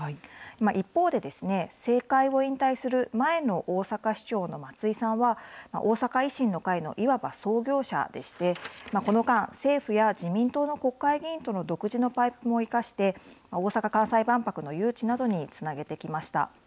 一方で、政界を引退する前の大阪市長の松井さんは、大阪維新の会のいわば創業者でして、この間、政府や自民党の国会議員との独自のパイプも生かして、大阪・関西万博の誘致などにつなげてきました。